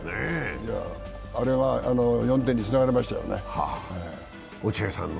あれは４点につながりましたよね。